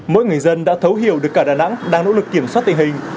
mỗi người dân đã thấu hiểu được cả đà nẵng đang nỗ lực kiểm soát tình hình